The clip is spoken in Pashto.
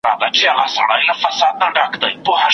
رقیب ته وګرځه اسمانه پر ما ښه لګیږي